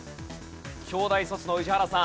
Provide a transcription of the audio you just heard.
京大卒の宇治原さん。